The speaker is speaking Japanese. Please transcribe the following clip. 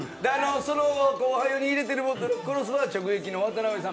その後輩用に入れるボトル、クロスバー直撃のワタナベさん